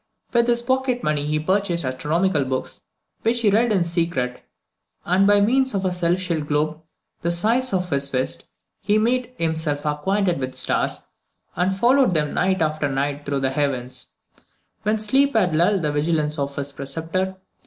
With his pocket money he purchased astronomical books, which he read in secret; and by means of a celestial globe, the size of his fist, he made himself acquainted with the stars, and followed them night after night through the heavens, when sleep had lulled the vigilance of his preceptor.